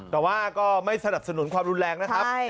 แต่ว่าก็ไม่สนับสนุนความรุนแรงนะครับ